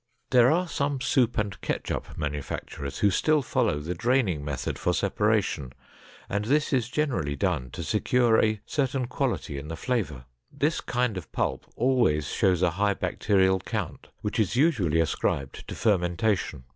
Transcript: There are some soup and ketchup manufacturers who still follow the draining method for separation and this is generally done to secure a certain quality in the flavor. This kind of pulp always shows a high bacterial count, which is usually ascribed to fermentation.